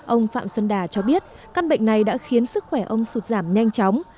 ông phạm xuân đà cho biết căn bệnh này đã khiến sức khỏe ông sụt giảm nhanh chóng